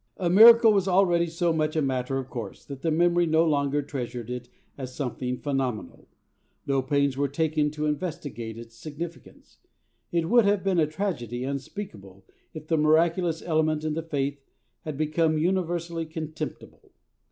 A miracle was already so much a matter of course that the memory no longer treasured it as something phenomenal. No pains were taken to investigate its significance. It would have been a tragedy unspeakable if the miraculous element in the faith had become universally contemptible.